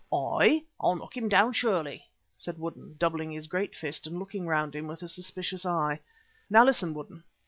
"Aye, I'll knock him down surely," said Woodden, doubling his great fist and looking round him with a suspicious eye. "Now listen, Woodden.